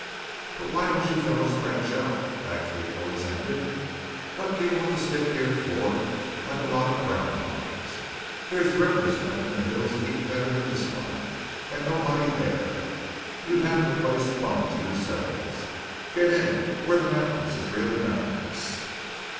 "But why don't you fellows branch out?" Bagsby always ended. "What do you want to stick here for like a lot of groundhogs? There's rivers back in the hills a heap better than this one, and nobody thar. You'd have the place plumb to yoreselves. Git in where the mountains is really mountainous."